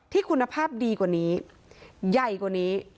ที่คุณภาพดีกว่านี้ใหญ่กว่านี้